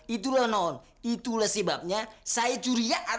itulah non itulah sebabnya saya curiak